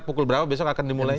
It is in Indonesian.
pukul berapa besok akan dimulai